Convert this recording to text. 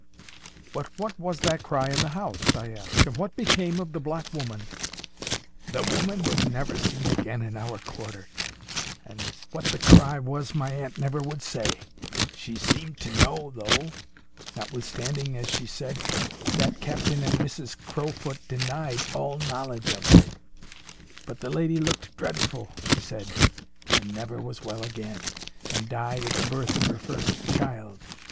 "But what was that cry in the house?" I asked "And what became of the black woman?" "The woman was never seen again in our quarter; and what the cry was my aunt never would say. She seemed to know though; notwithstanding, as she said, that Captain and Mrs Crowfoot denied all knowledge of it. But the lady looked dreadful, she said, and never was well again, and died at the birth of her first child.